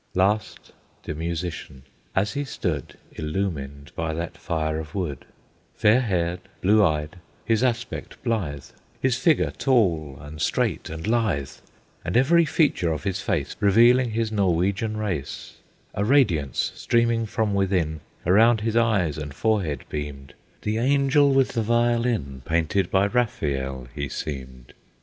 Last the Musician, as he stood Illumined by that fire of wood; Fair haired, blue eyed, his aspect blithe, His figure tall and straight and lithe, And every feature of his face Revealing his Norwegian race; A radiance, streaming from within, Around his eyes and forehead beamed, The Angel with the violin, Painted by Raphael, he seemed.